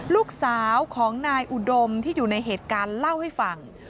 ลูกสาวของนายอุดมที่อยู่ในเหตุการณ์เล่าให้ฟัง